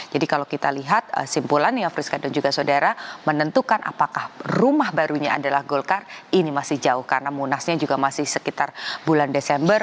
jadi kalau kita lihat simpulannya friska dan juga saudara menentukan apakah rumah barunya adalah golkar ini masih jauh karena munasnya juga masih sekitar bulan desember